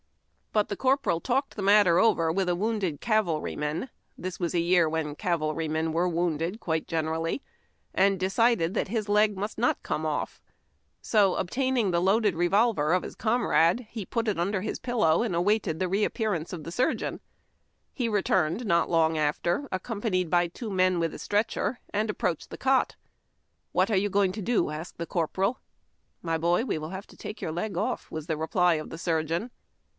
But the corporal talked the matter over with a wounded cavalryman (this was a year wIumi cavalrymen were wounded quite generally) and decided that his leg must 7iot 810 IIAIW TACK AN I) COFFEE. come off; so, obtainino the loaded revolver of his comrade, he put it under his pillow and awaited the reappearance of the surgeon. He returned not long after, accompanied by two men with a stretclier, and approached the cot. " What are you going to do ?" asked the corporal. " My boy, we will liave to take your leg off," was the reply of the surgeon.